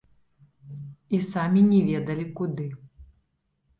І самі не ведалі куды.